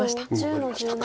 戻りましたか。